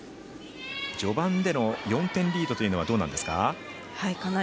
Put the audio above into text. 序盤での４点リードというのはどうなんですか？